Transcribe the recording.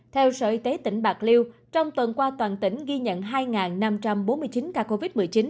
theo sở y tế tỉnh bạc liêu trong tuần qua toàn tỉnh ghi nhận hai năm trăm bốn mươi chín ca covid một mươi chín